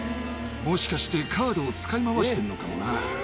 もしかして、カードを使い回しているのかもな。